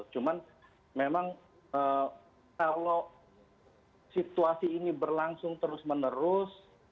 cuman memang kalau situasi ini berlangsung terus menerus